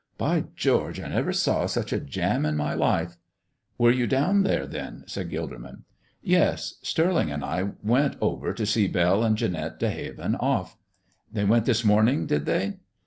By George! I never saw such a jam in my life." "Were you down there, then?" said Gilderman. "Yes; Stirling and I went over to see Belle and Janette De Haven off." "They went this morning, did they?"